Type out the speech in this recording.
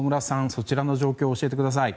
そちらの状況を教えてください。